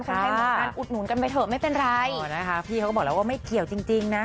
คนไทยเหมือนกันอุดหนุนกันไปเถอะไม่เป็นไรนะคะพี่เขาก็บอกแล้วว่าไม่เกี่ยวจริงจริงนะ